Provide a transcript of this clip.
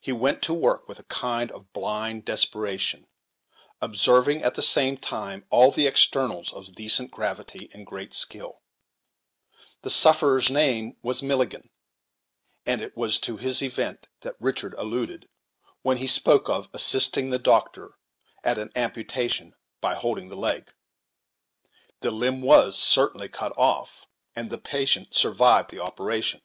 He went to work with a kind of blind desperation, observing, at the same time, all the externals of decent gravity and great skill, The sufferer's name was Milligan, and it was to this event that Richard alluded, when he spoke of assisting the doctor at an amputation by holding the leg! The limb was certainly cut off, and the patient survived the operation.